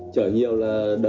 chở nhiều là đợt nào